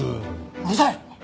うるさい！